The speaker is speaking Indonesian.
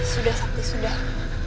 sudah sakti sudah